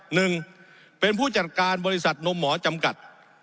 หนึ่งเป็นผู้จัดการบริษัทนมหมอจำกัด